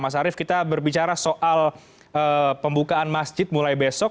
mas arief kita berbicara soal pembukaan masjid mulai besok